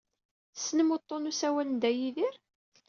Tessnem uḍḍun n usawal n Dda Yidir?